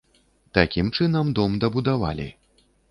Такім чынам, дом дабудавалі.